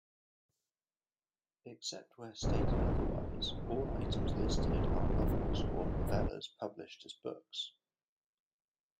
Except where stated otherwise, all items listed are novels or novellas published as books.